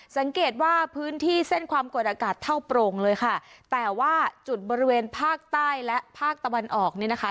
สังเกตว่าพื้นที่เส้นความกดอากาศเท่าโปร่งเลยค่ะแต่ว่าจุดบริเวณภาคใต้และภาคตะวันออกเนี่ยนะคะ